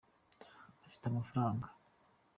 afite amafaranga